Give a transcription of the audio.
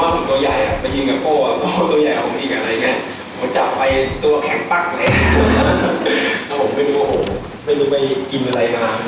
ไม่รู้กันจะกินอะไรมา